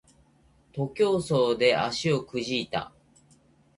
徒競走で足をくじいた